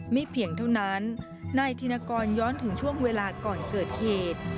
เพียงเท่านั้นนายธินกรย้อนถึงช่วงเวลาก่อนเกิดเหตุ